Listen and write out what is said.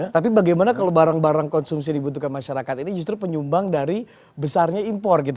tapi bagaimana kalau barang barang konsumsi yang dibutuhkan masyarakat ini justru penyumbang dari besarnya impor gitu